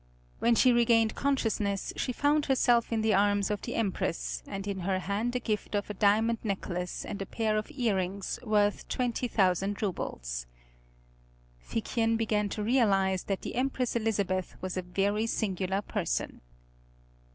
When she regained consciousness she found herself in the arms of the Empress, and in her hand a gift of a diamond necklace and a pair of earrings worth 20,000 roubles. Figchen began to realize that the Empress Elizabeth was a very singular person.